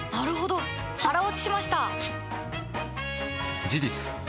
腹落ちしました！